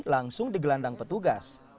langsung digelandang petugas